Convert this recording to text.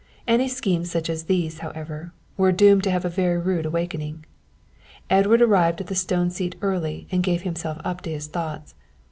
Any schemes such as these, however, were doomed to have a very rude awakening. Edward arrived at the stone seat early and gave himself up to his thoughts.